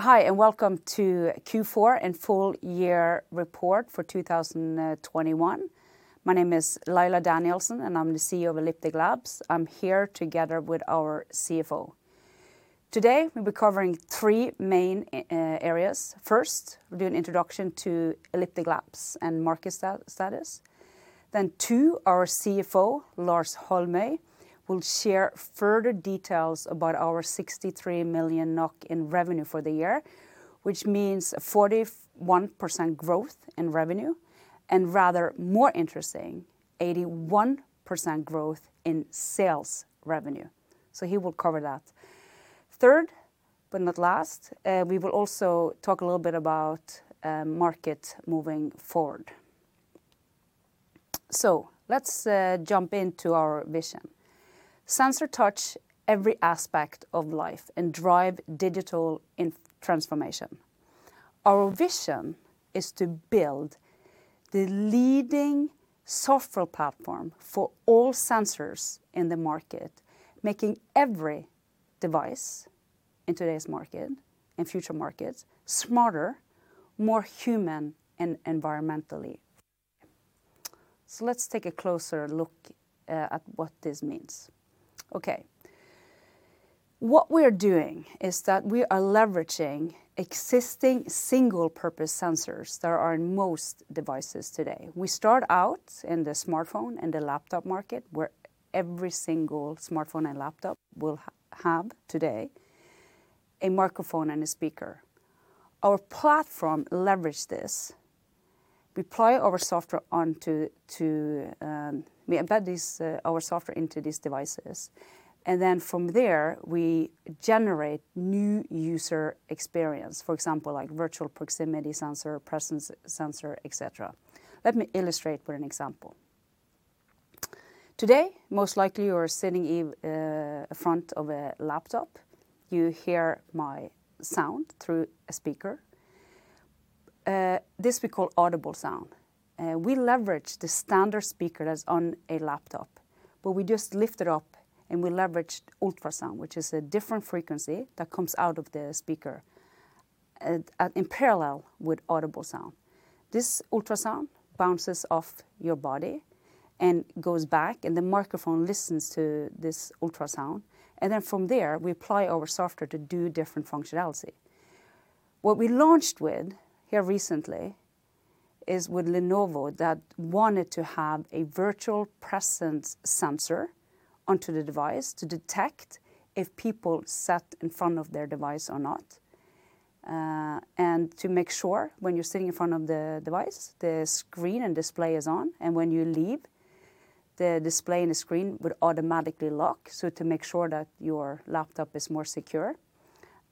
Hi, and welcome to Q4 and full year report for 2021. My name is Laila Danielsen, and I'm the CEO of Elliptic Labs. I'm here together with our CFO. Today, we'll be covering three main areas. First, we'll do an introduction to Elliptic Labs and market status. Then two, our CFO, Lars Holmøy, will share further details about our 63 million NOK in revenue for the year, which means 41% growth in revenue, and rather more interesting, 81% growth in sales revenue. He will cover that. Third, but not last, we will also talk a little bit about market moving forward. Let's jump into our vision. Sensors touch every aspect of life and drive digital transformation. Our vision is to build the leading software platform for all sensors in the market, making every device in today's market and future markets smarter, more human, and environmentally. Let's take a closer look at what this means. Okay. What we are doing is that we are leveraging existing single-purpose sensors that are in most devices today. We start out in the smartphone and the laptop market, where every single smartphone and laptop will have today a microphone and a speaker. Our platform leverage this. We embed this, our software into these devices, and then from there, we generate new user experience, for example, like virtual proximity sensor, presence sensor, et cetera. Let me illustrate with an example. Today, most likely you are sitting in front of a laptop. You hear my sound through a speaker. This we call audible sound. We leverage the standard speaker that's on a laptop, but we just lift it up, and we leverage ultrasound, which is a different frequency that comes out of the speaker at, in parallel with audible sound. This ultrasound bounces off your body and goes back, and the microphone listens to this ultrasound, and then from there, we apply our software to do different functionality. What we launched with here recently is with Lenovo that wanted to have a virtual presence sensor onto the device to detect if people sat in front of their device or not, and to make sure when you're sitting in front of the device, the screen and display is on, and when you leave, the display and the screen would automatically lock, so to make sure that your laptop is more secure,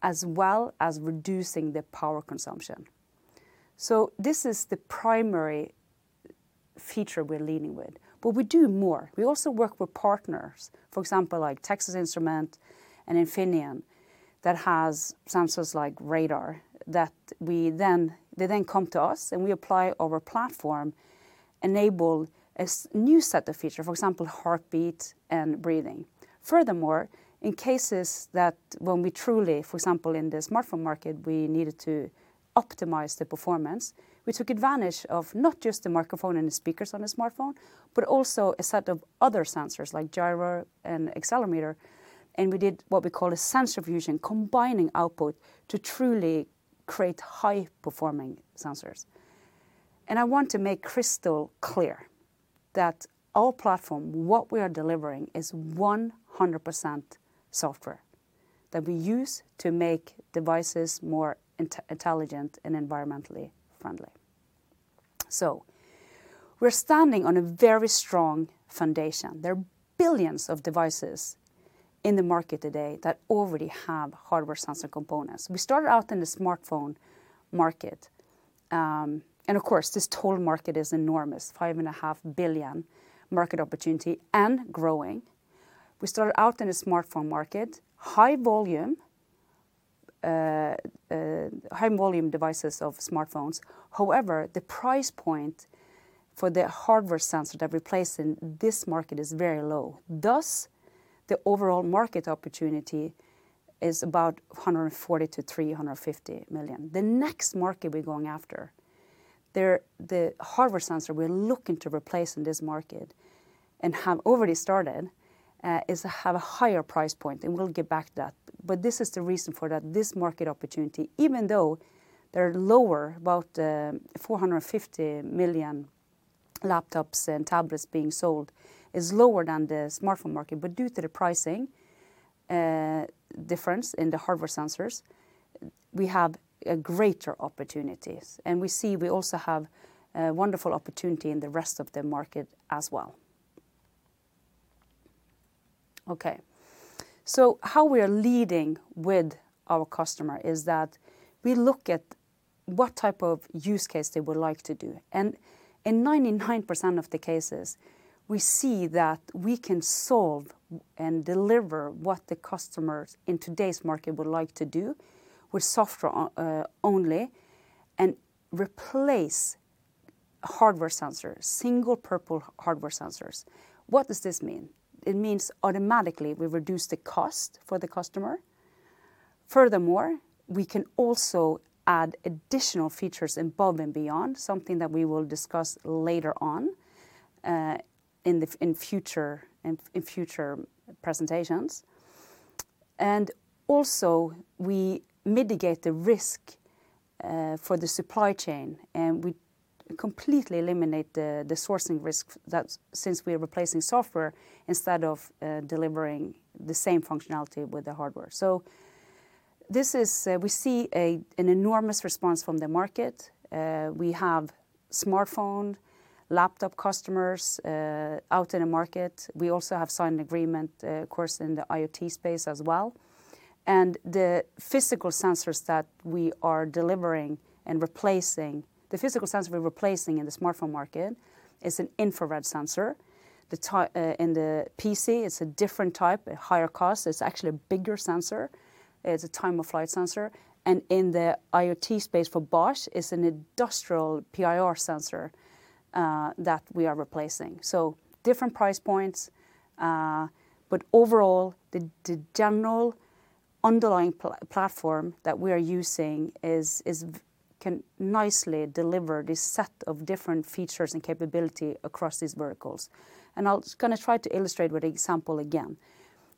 as well as reducing the power consumption. This is the primary feature we're leading with, but we do more. We also work with partners, for example, like Texas Instruments and Infineon, that has sensors like radar they then come to us, and we apply our platform, enable a new set of feature, for example, heartbeat and breathing. Furthermore, in cases that when we truly, for example, in the smartphone market, we needed to optimize the performance, we took advantage of not just the microphone and the speakers on a smartphone, but also a set of other sensors like gyro and accelerometer, and we did what we call a sensor fusion, combining output to truly create high-performing sensors. I want to make crystal clear that our platform, what we are delivering is 100% software that we use to make devices more intelligent and environmentally friendly. We're standing on a very strong foundation. There are billions of devices in the market today that already have hardware sensor components. We started out in the smartphone market, and of course, this total market is enormous, 5.5 billion market opportunity and growing. We started out in a smartphone market, high volume devices of smartphones. However, the price point for the hardware sensor that we place in this market is very low. Thus, the overall market opportunity is about 140 million-350 million. The next market we're going after, the hardware sensor we're looking to replace in this market and have already started, is to have a higher price point, and we'll get back to that. But this is the reason for that, this market opportunity, even though they're lower, about 450 million laptops and tablets being sold, is lower than the smartphone market. But due to the pricing difference in the hardware sensors, we have a greater opportunities, and we see we also have a wonderful opportunity in the rest of the market as well. Okay. How we are leading with our customer is that we look at what type of use case they would like to do. In 99% of the cases, we see that we can solve and deliver what the customers in today's market would like to do with software only and replace hardware sensors, single-purpose hardware sensors. What does this mean? It means automatically we reduce the cost for the customer. Furthermore, we can also add additional features above and beyond, something that we will discuss later on, in the future, in future presentations. We also mitigate the risk for the supply chain, and we completely eliminate the sourcing risk, since we're replacing software instead of delivering the same functionality with the hardware. We see an enormous response from the market. We have smartphone, laptop customers out in the market. We also have signed an agreement, of course, in the IoT space as well. The physical sensors we're replacing in the smartphone market is an infrared sensor. In the PC, it's a different type, a higher cost. It's actually a bigger sensor. It's a time-of-flight sensor, and in the IoT space for Bosch is an industrial PIR sensor that we are replacing. Different price points, but overall the general underlying platform that we are using can nicely deliver this set of different features and capability across these verticals. I'm gonna try to illustrate with example again.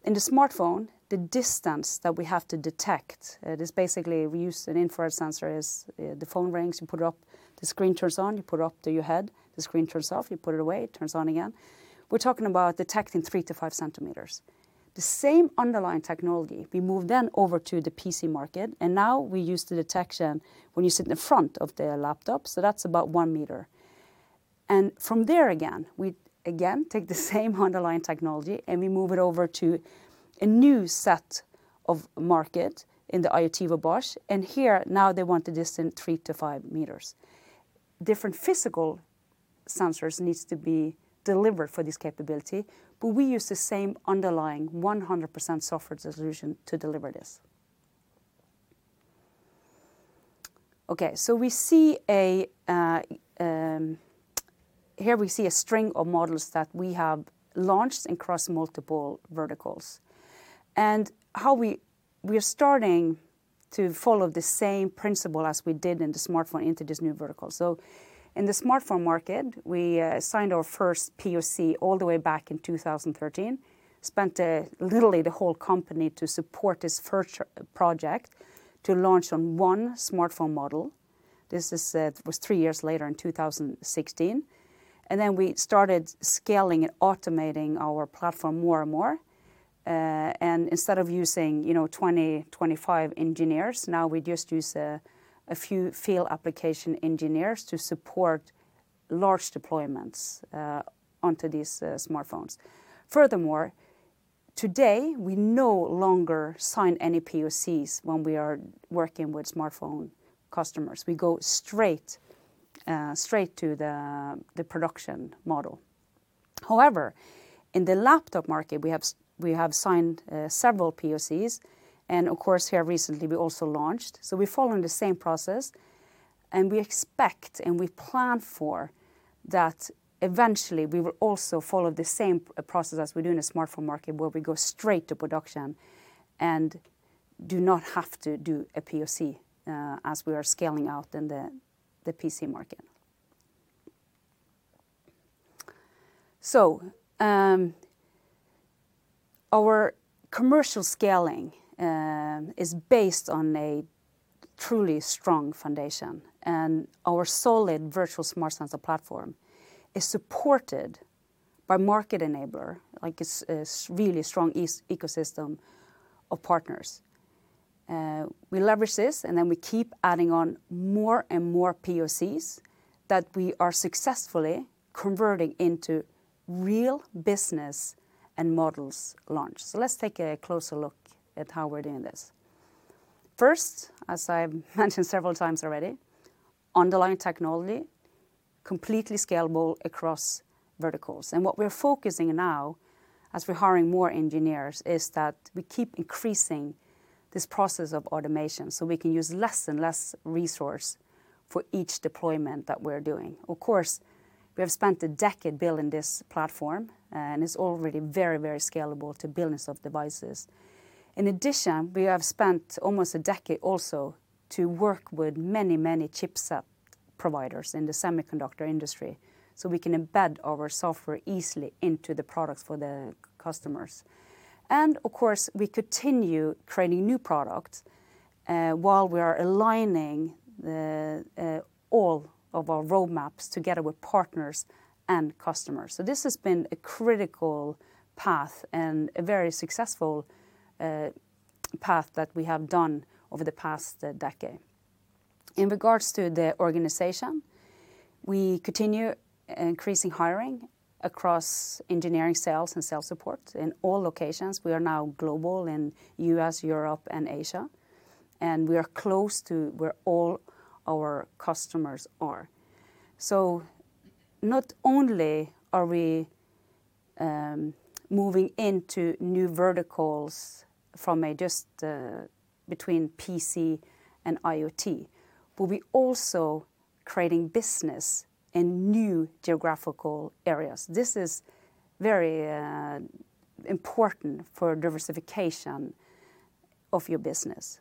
In the smartphone, the distance that we have to detect, this basically we use an infrared sensor is, the phone rings, you put it up, the screen turns on, you put it up to your head, the screen turns off, you put it away, it turns on again. We're talking about detecting 3 cm-5 cm. The same underlying technology we move then over to the PC market and now we use the detection when you sit in the front of the laptop, so that's about 1 m. From there again, we again take the same underlying technology, and we move it over to a new set of market in the IoT for Bosch, and here now they want the distance 3 m-5 m. Different physical sensors needs to be delivered for this capability, but we use the same underlying 100% software solution to deliver this. Okay, here we see a string of models that we have launched across multiple verticals. We are starting to follow the same principle as we did in the smartphone into this new vertical. In the smartphone market, we signed our first PoC all the way back in 2013. Spent literally the whole company to support this first project to launch on one smartphone model. This was three years later in 2016. Then we started scaling and automating our platform more and more. Instead of using, you know, 20-25 engineers, now we just use a few field application engineers to support large deployments onto these smartphones. Furthermore, today, we no longer sign any PoCs when we are working with smartphone customers. We go straight to the production model. However, in the laptop market, we have signed several PoCs, and of course, here recently we also launched. We're following the same process, and we expect and we plan for that eventually we will also follow the same process as we do in the smartphone market, where we go straight to production and do not have to do a PoC as we are scaling out in the PC market. Our commercial scaling is based on a truly strong foundation, and our solid virtual smart sensor platform is supported by market enabler, like it's a really strong ecosystem of partners. We leverage this, and then we keep adding on more and more PoCs that we are successfully converting into real business model launches. Let's take a closer look at how we're doing this. First, as I've mentioned several times already, underlying technology, completely scalable across verticals. What we're focusing now, as we're hiring more engineers, is that we keep increasing this process of automation, so we can use less and less resource for each deployment that we're doing. Of course, we have spent a decade building this platform, and it's already very, very scalable to billions of devices. In addition, we have spent almost a decade also to work with many chipset providers in the semiconductor industry, so we can embed our software easily into the products for the customers. Of course, we continue creating new products while we are aligning all of our roadmaps together with partners and customers. This has been a critical path and a very successful path that we have done over the past decade. In regards to the organization, we continue increasing hiring across engineering, sales, and sales support in all locations. We are now global in U.S., Europe, and Asia, and we are close to where all our customers are. Not only are we moving into new verticals from just between PC and IoT. We also creating business in new geographical areas. This is very important for diversification of your business.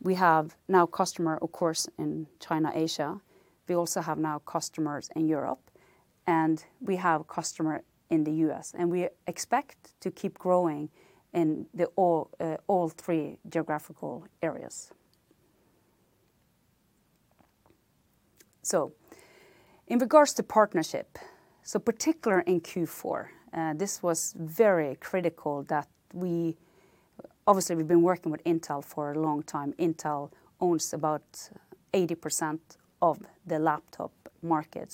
We have now customer, of course, in China, Asia. We also have now customers in Europe, and we have customer in the U.S., and we expect to keep growing in all three geographical areas. In regards to partnership, in particular in Q4, this was very critical. Obviously, we've been working with Intel for a long time. Intel owns about 80% of the laptop market.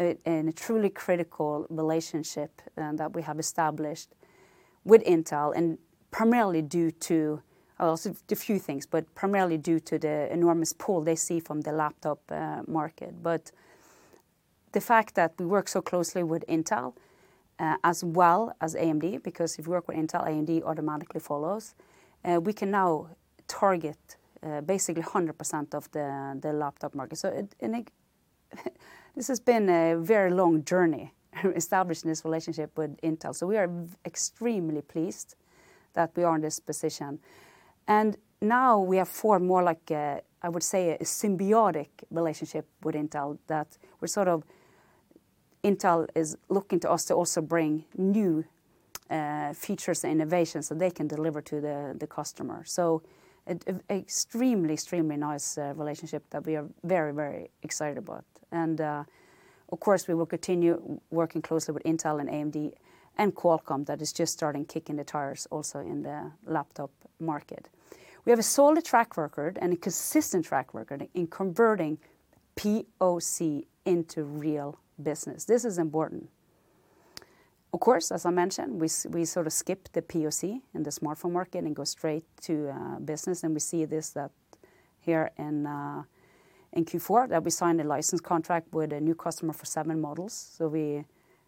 A truly critical relationship that we have established with Intel and primarily due to also a few things, but primarily due to the enormous pull they see from the laptop market. The fact that we work so closely with Intel, as well as AMD, because if you work with Intel, AMD automatically follows. We can now target basically 100% of the laptop market. This has been a very long journey establishing this relationship with Intel. We are extremely pleased that we are in this position. Now we have formed more like I would say a symbiotic relationship with Intel that Intel is looking to us to also bring new features and innovations so they can deliver to the customer. Extremely nice relationship that we are very excited about. Of course, we will continue working closely with Intel and AMD and Qualcomm that is just starting to kick the tires also in the laptop market. We have a solid track record and a consistent track record in converting PoC into real business. This is important. Of course, as I mentioned, we sort of skipped the PoC in the smartphone market and go straight to business, and we see this here in Q4 that we signed a license contract with a new customer for seven models, so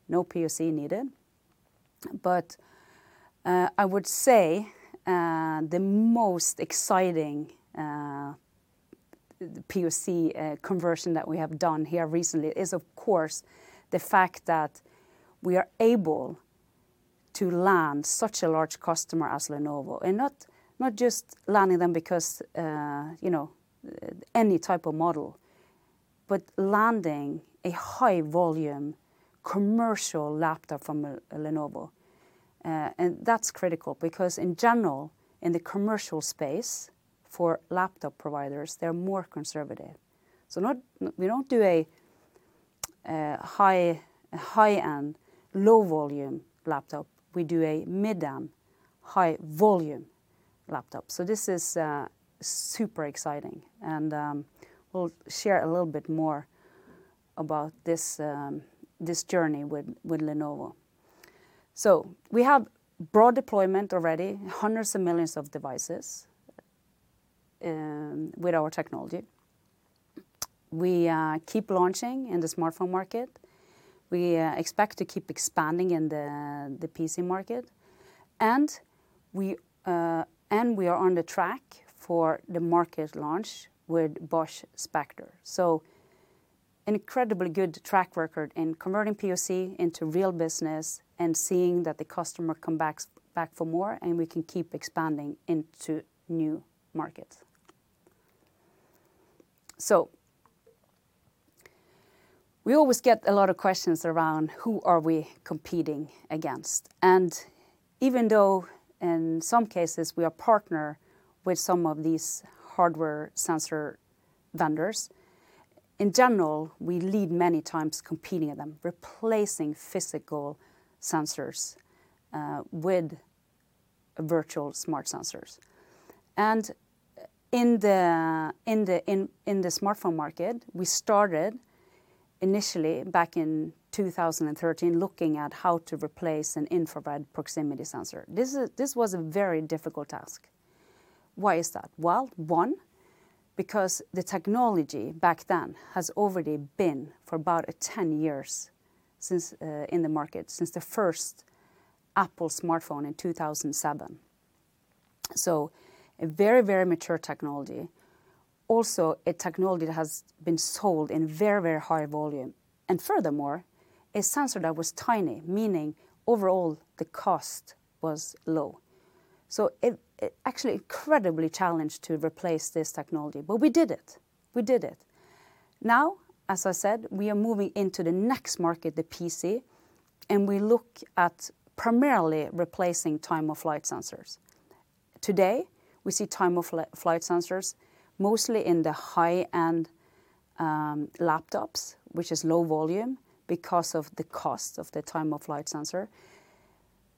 no PoC needed. I would say the most exciting PoC conversion that we have done here recently is, of course, the fact that we are able to land such a large customer as Lenovo and not just landing them because, you know, any type of model, but landing a high volume commercial laptop from Lenovo. That's critical because in general, in the commercial space for laptop providers, they're more conservative. We don't do a high-end low volume laptop. We do a mid-end high volume laptop. This is super exciting. We'll share a little bit more about this journey with Lenovo. We have broad deployment already, hundreds of millions of devices with our technology. We keep launching in the smartphone market. We expect to keep expanding in the PC market. We are on track for the market launch with Bosch Spexor. An incredibly good track record in converting PoC into real business and seeing that the customer comes back for more and we can keep expanding into new markets. We always get a lot of questions around who we are competing against. Even though in some cases we are partners with some of these hardware sensor vendors, in general, we end up many times competing against them, replacing physical sensors with virtual smart sensors. In the smartphone market, we started initially back in 2013, looking at how to replace an infrared proximity sensor. This was a very difficult task. Why is that? Well, one, because the technology back then has already been for about 10 years since in the market, since the first Apple smartphone in 2007. So a very mature technology. Also a technology that has been sold in very high volume. Furthermore, a sensor that was tiny, meaning overall the cost was low. So it actually incredibly challenging to replace this technology. But we did it. Now, as I said, we are moving into the next market, the PC, and we look at primarily replacing time-of-flight sensors. Today, we see time-of-flight sensors mostly in the high-end laptops, which is low volume because of the cost of the time-of-flight sensor.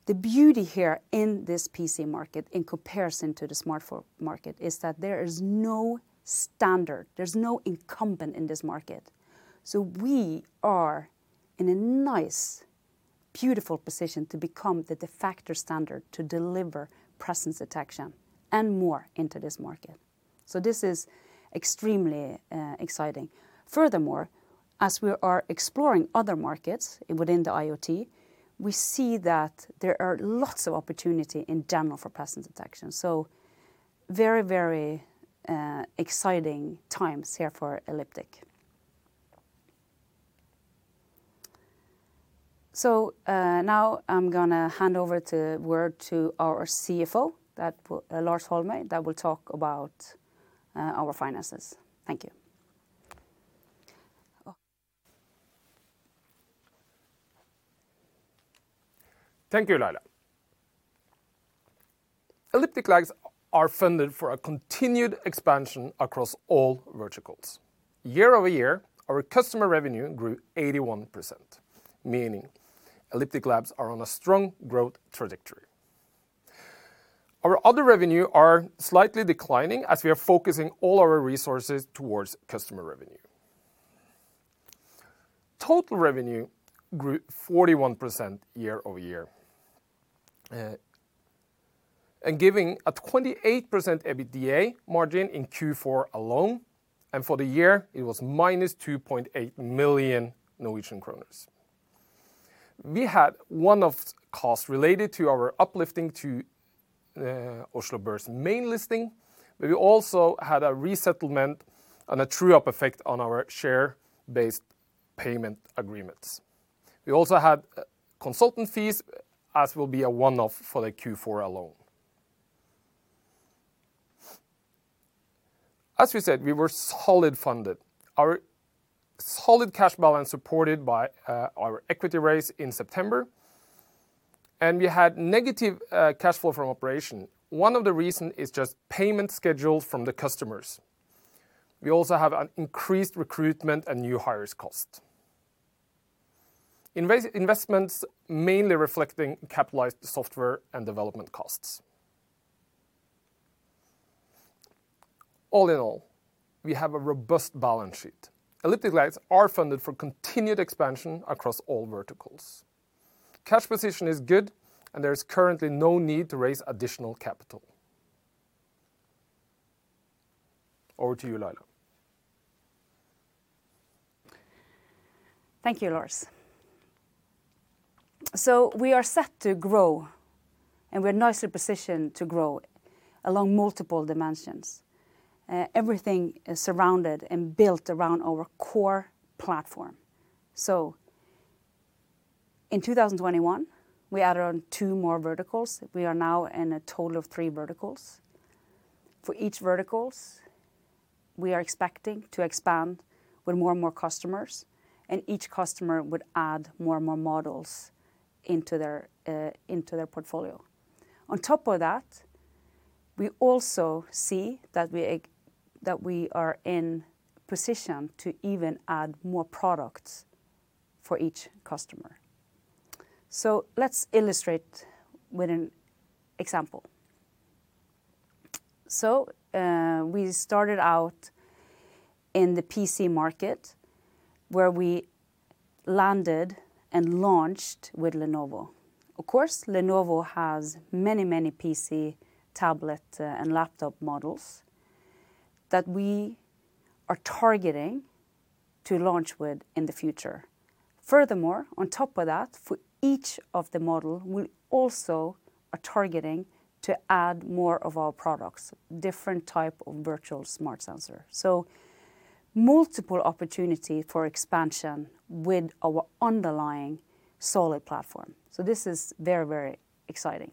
The beauty here in this PC market in comparison to the smartphone market is that there is no standard, there's no incumbent in this market. We are in a nice, beautiful position to become the de facto standard to deliver presence detection and more into this market. This is extremely exciting. Furthermore, as we are exploring other markets within the IoT, we see that there are lots of opportunity in general for presence detection. Very exciting times here for Elliptic. Now I'm gonna hand over the word to our CFO, Lars Holmøy, that will talk about our finances. Thank you. Thank you, Laila. Elliptic Labs are funded for a continued expansion across all verticals. Year-over-year, our customer revenue grew 81%, meaning Elliptic Labs are on a strong growth trajectory. Our other revenue are slightly declining as we are focusing all our resources towards customer revenue. Total revenue grew 41% year-over-year. Giving a 28% EBITDA margin in Q4 alone, and for the year it was -2.8 million Norwegian kroner. We had one-off costs related to our uplisting to Oslo Børs main listing, but we also had a reset and a true-up effect on our share-based payment agreements. We also had consultant fees, which will be a one-off for the Q4 alone. As we said, we were solidly funded. Our solid cash balance supported by our equity raise in September, and we had negative cash flow from operation. One of the reason is just payment schedules from the customers. We also have an increased recruitment and new hires cost. Investments mainly reflecting capitalized software and development costs. All in all, we have a robust balance sheet. Elliptic Labs are funded for continued expansion across all verticals. Cash position is good, and there is currently no need to raise additional capital. Over to you, Laila. Thank you, Lars. We are set to grow, and we're nicely positioned to grow along multiple dimensions. Everything is surrounded and built around our core platform. In 2021, we added on two more verticals. We are now in a total of three verticals. For each verticals, we are expecting to expand with more and more customers, and each customer would add more and more models into their portfolio. On top of that, we also see that we are in position to even add more products for each customer. Let's illustrate with an example. We started out in the PC market, where we landed and launched with Lenovo. Of course, Lenovo has many, many PC, tablet, and laptop models that we are targeting to launch with in the future. Furthermore, on top of that, for each of the model, we also are targeting to add more of our products, different type of virtual smart sensor. Multiple opportunity for expansion with our underlying solid platform. This is very, very exciting.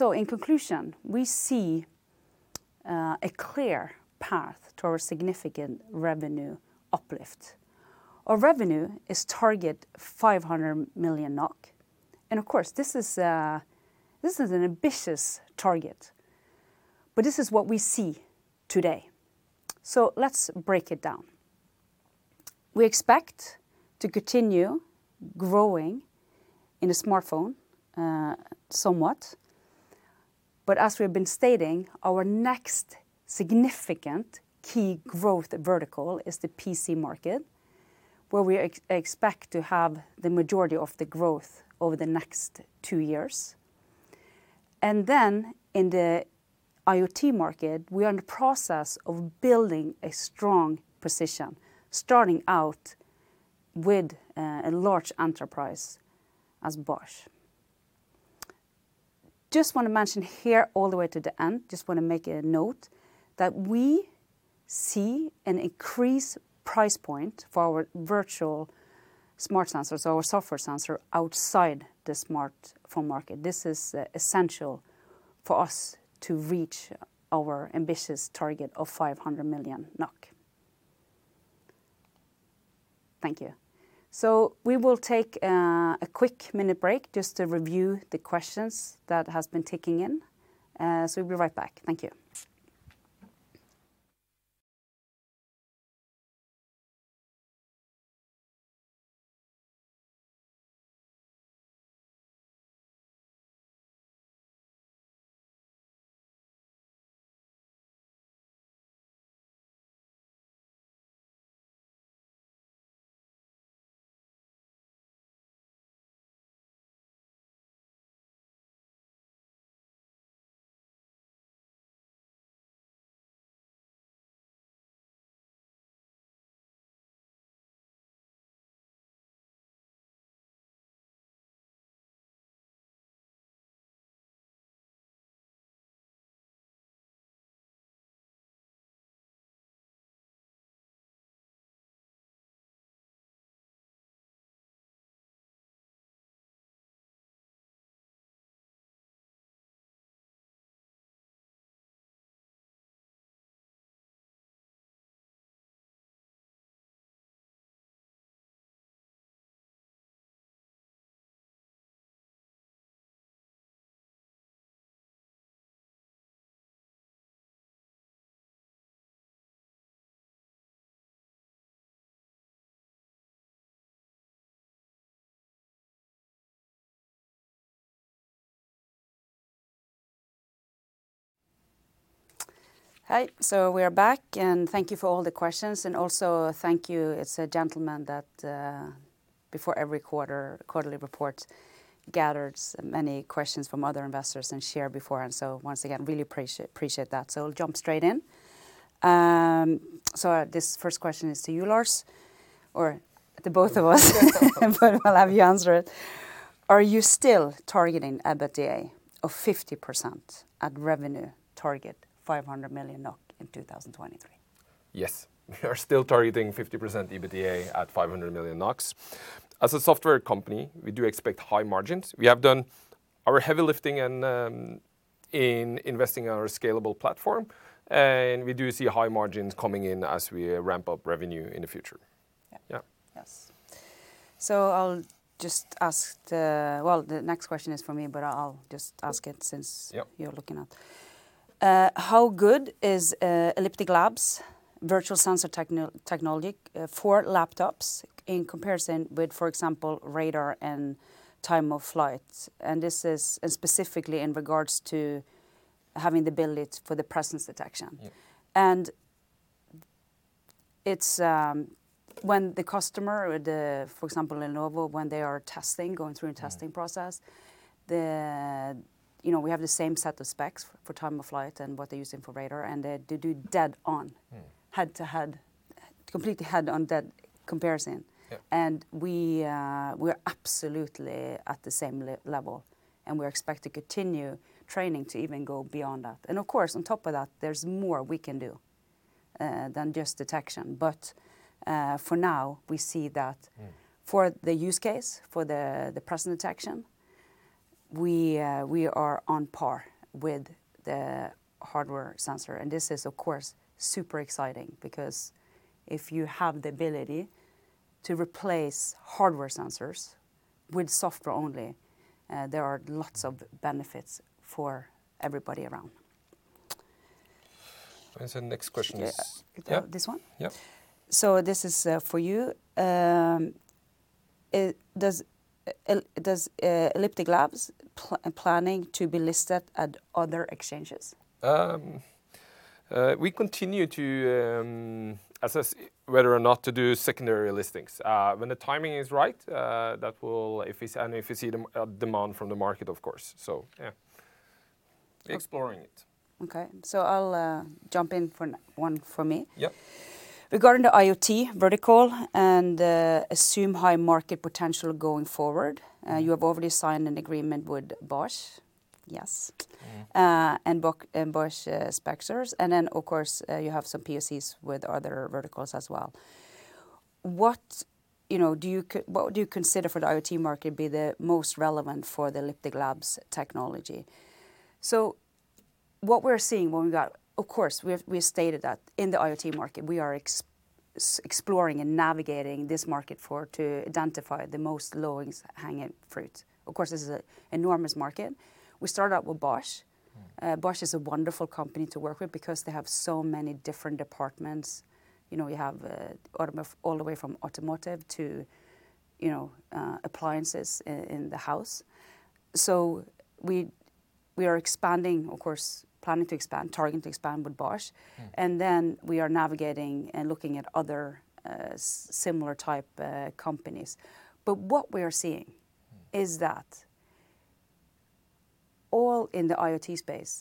In conclusion, we see a clear path to our significant revenue uplift. Our revenue target is 500 million NOK. Of course, this is an ambitious target, but this is what we see today. Let's break it down. We expect to continue growing in a smartphone somewhat. As we have been stating, our next significant key growth vertical is the PC market, where we expect to have the majority of the growth over the next two years. In the IoT market, we are in the process of building a strong position, starting out with a large enterprise as Bosch. Just wanna mention here all the way to the end, just wanna make a note that we see an increased price point for our virtual smart sensors or software sensor outside the smartphone market. This is essential for us to reach our ambitious target of 500 million NOK. Thank you. We will take a quick minute break just to review the questions that has been ticking in. We'll be right back. Thank you. Hi. We are back, and thank you for all the questions. Also thank you, it's a gentleman that before every quarter, quarterly report gathers many questions from other investors and shareholders. Once again, really appreciate that. I'll jump straight in. This first question is to you, Lars, or to both of us. I'll have you answer it. Are you still targeting EBITDA of 50% at revenue target 500 million NOK in 2023? Yes. We are still targeting 50% EBITDA at 500 million. As a software company, we do expect high margins. We have done our heavy lifting and in investing in our scalable platform, and we do see high margins coming in as we ramp up revenue in the future. Yeah. Yeah. Yes. I'll just ask the... Well, the next question is from me, but I'll just ask it since- Yeah you're looking at. How good is Elliptic Labs' virtual sensor technology for laptops in comparison with, for example, radar and time-of-flight? This is specifically in regards to having the ability for the presence detection. Yeah. It's when the customer or the, for example, Lenovo, when they are testing, going through a testing process. Mm-hmm. You know, we have the same set of specs for time of flight and what they're using for radar, and they do dead on. Mm. Head-to-head, completely head-on direct comparison. Yeah. We're absolutely at the same level, and we expect to continue training to even go beyond that. Of course, on top of that, there's more we can do than just detection. For now, we see that. Mmh. For the use case, for the presence detection, we are on par with the hardware sensor. This is, of course, super exciting because if you have the ability to replace hardware sensors with software only, there are lots of benefits for everybody around. Next question is- Yeah. Yeah. This one? Yeah. This is for you. Does Elliptic Labs plan to be listed at other exchanges? We continue to assess whether or not to do secondary listings. When the timing is right, that will, if we see demand from the market, of course. Yeah. Okay. Exploring it. Okay. I'll jump in for one for me. Yeah. Regarding the IoT vertical and assumed high market potential going forward, you have already signed an agreement with Bosch, yes? Mm-hmm. Bosch spexor. Of course, you have some PoCs with other verticals as well. What do you consider for the IoT market be the most relevant for the Elliptic Labs technology? What we're seeing. Of course, we have stated that in the IoT market, we are exploring and navigating this market to identify the most lowest hanging fruit. Of course, this is a enormous market. We started out with Bosch. Mm. Bosch is a wonderful company to work with because they have so many different departments. You know, we have all the way from automotive to, you know, appliances in the house. We are expanding, of course, planning to expand, targeting to expand with Bosch. Mm. We are navigating and looking at other, similar type, companies. What we are seeing- Mm. Is that all in the IoT space,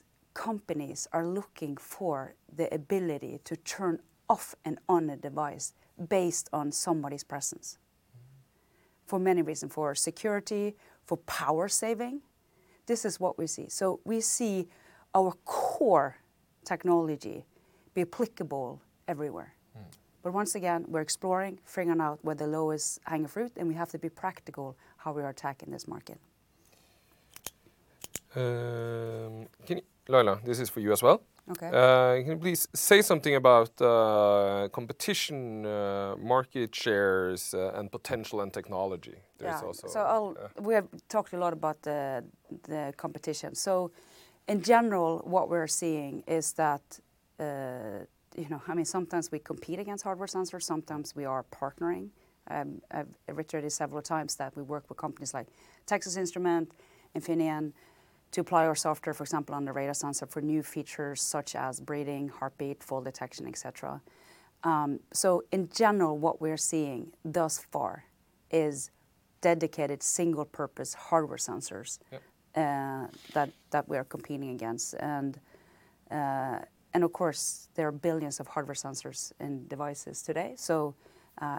companies are looking for the ability to turn off and on a device based on somebody's presence. Mm. For many reasons, for security, for power saving. This is what we see. We see our core technology be applicable everywhere. Mm. Once again, we're exploring, figuring out where the lowest hanging fruit, and we have to be practical how we are attacking this market. Laila, this is for you as well. Okay. Can you please say something about competition, market shares, and potential and technology? Yeah. There is also. We have talked a lot about the competition. In general, what we're seeing is that sometimes we compete against hardware sensors, sometimes we are partnering. I've reiterated several times that we work with companies like Texas Instruments, Infineon to apply our software, for example, on the radar sensor for new features such as breathing, heartbeat, fall detection, et cetera. In general, what we're seeing thus far is dedicated single purpose hardware sensors. Yeah. That we are competing against. Of course, there are billions of hardware sensors in devices today, so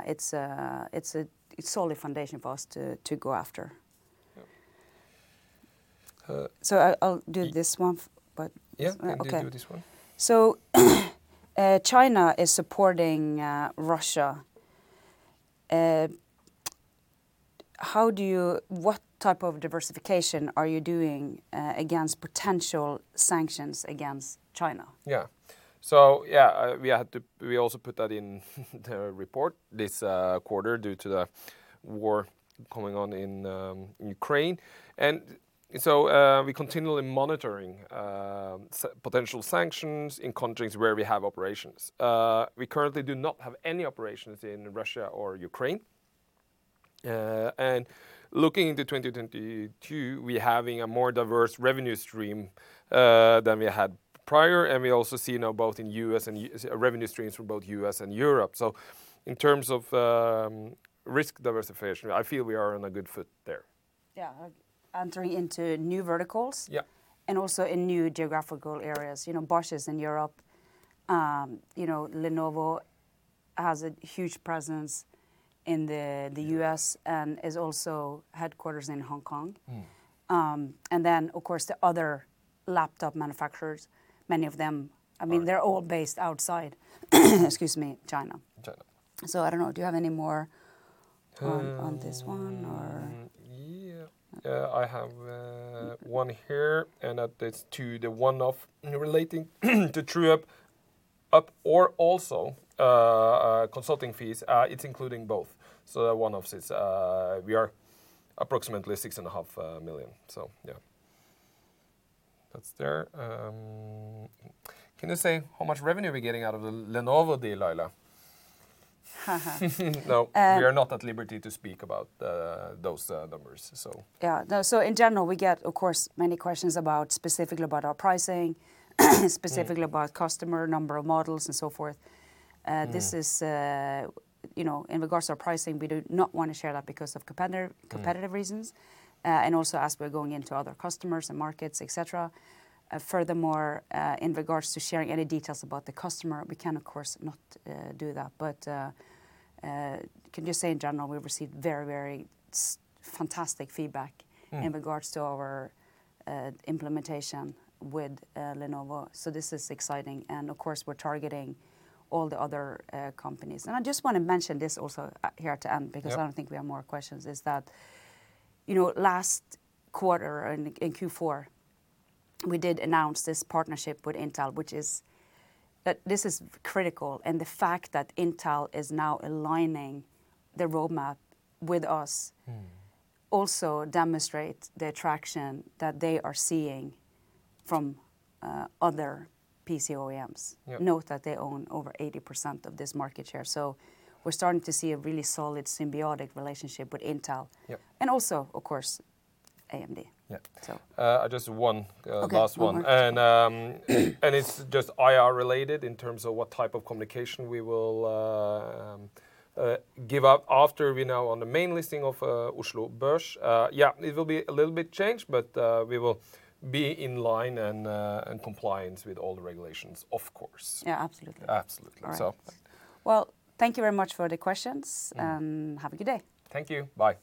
it's a solid foundation for us to go after. Yeah. I'll do this one. Yeah. Okay. You do this one. China is supporting Russia. What type of diversification are you doing against potential sanctions against China? We also put that in the report this quarter due to the war going on in Ukraine. We continually monitoring potential sanctions in countries where we have operations. We currently do not have any operations in Russia or Ukraine. Looking into 2022, we're having a more diverse revenue stream than we had prior, and we also see now revenue streams from both U.S. and Europe. In terms of risk diversification, I feel we are on a good footing there. Yeah. Entering into new verticals. Yeah... In new geographical areas. You know, Bosch is in Europe. You know, Lenovo has a huge presence in the. Yeah U.S., and is also headquartered in Hong Kong. Mm. Of course the other laptop manufacturers, many of them. Are- I mean, they're all based outside, excuse me, China. China. I don't know, do you have any more- Um-... On this one or...? I have one here, and that is the one relating to true-up or also consulting fees. It's including both. One-offs, we are approximately 6.5 million. Yeah. That's there. Can you say how much revenue we're getting out of the Lenovo deal, Laila? No. Uh- We are not at liberty to speak about those numbers, so. In general we get, of course, many questions about, specifically about our pricing. Yeah About customer, number of models and so forth. Mm This is, you know, in regards to our pricing. We do not wanna share that because of competitive reasons. Yeah As we're going into other customers and markets, et cetera. Furthermore, in regards to sharing any details about the customer, we can of course not do that, but can just say in general, we've received very fantastic feedback. Mm.... In regards to our implementation with Lenovo. This is exciting. Of course, we're targeting all the other companies. I just wanna mention this also here to end- Yeah because I don't think we have more questions, is that, you know, last quarter in Q4, we did announce this partnership with Intel. That this is critical, and the fact that Intel is now aligning their roadmap with us. Mm... also demonstrates the attraction that they are seeing from other PC OEMs. Yeah. Note that they own over 80% of this market share. We're starting to see a really solid symbiotic relationship with Intel. Yeah. Also, of course, AMD. Yeah. So. Just one. Okay, one more. Last one. It's just IR related in terms of what type of communication we will give up after we go on the main listing of Oslo Børs. Yeah, it will be a little bit changed, but we will be in line and compliance with all the regulations, of course. Yeah, absolutely. Absolutely. All right. So. Well, thank you very much for the questions. Mm. Have a good day. Thank you. Bye.